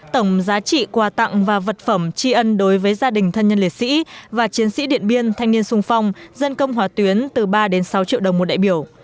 tổng giá trị quà tặng và vật phẩm tri ân đối với gia đình thân nhân liệt sĩ và chiến sĩ điện biên thanh niên sung phong dân công hỏa tuyến từ ba đến sáu triệu đồng một đại biểu